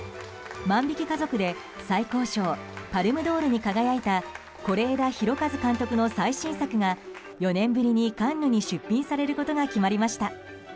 「万引き家族」で最高賞パルム・ドールに輝いた是枝裕和監督の最新作が４年ぶりにカンヌに出品されることが決まりました。